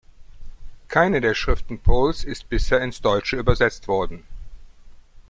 Keine der Schriften Poles ist bisher ins Deutsche übersetzt worden.